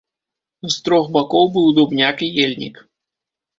З трох бакоў быў дубняк і ельнік.